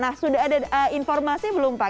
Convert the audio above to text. ada informasi belum pak